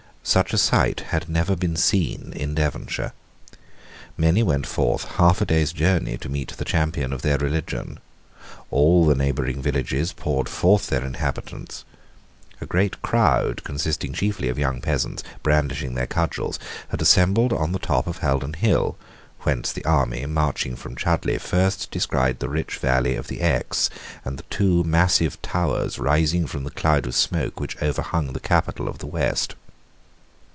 Such a sight had never been seen in Devonshire. Many went forth half a day's journey to meet the champion of their religion. All the neighbouring villages poured forth their inhabitants. A great crowd, consisting chiefly of young peasants, brandishing their cudgels, had assembled on the top of Haldon Hill, whence the army, marching from Chudleigh, first descried the rich valley of the Exe, and the two massive towers rising from the cloud of smoke which overhung the capital of the West.